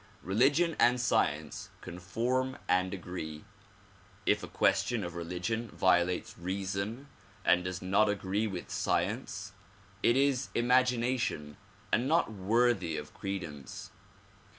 Religion and science conform and agree. If a question of religion violates reason and does not agree with science, it is imagination and not worthy of credence.